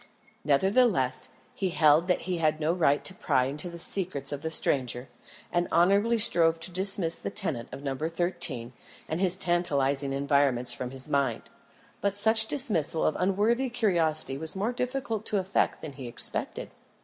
Nevertheless, he held that he had no right to pry into the secrets of the stranger, and honourably strove to dismiss the tenant of No. 13 and his tantalising environments from his mind. But such dismissal of unworthy curiosity was more difficult to effect than he expected.